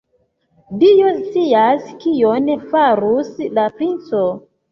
Dio scias, kion farus la princo!